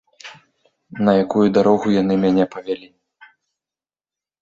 На якую дарогу яны мяне павялі!